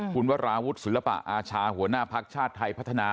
คุณวราวุฒิศิลปะอาชาหัวหน้าภักดิ์ชาติไทยพัฒนา